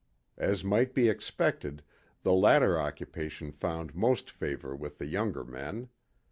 As might be expected, the latter occupation found most favor with the younger men.